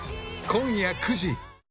今夜９時。